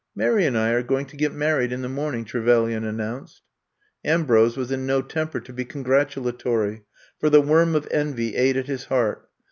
Mary and I are going to get married in the morning," Trevelyan announced. Ambrose was in no temper to be con gratulatory, for the worm of envy ate at his heart.